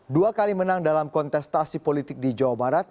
dua kali menang dalam kontestasi politik di jawa barat